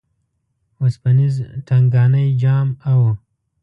وسپنیز ټنګانی جام او